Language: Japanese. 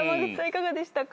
いかがでしたか？